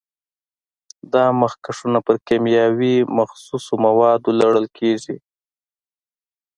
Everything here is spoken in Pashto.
دا مخکشونه پر کیمیاوي مخصوصو موادو لړل کېږي.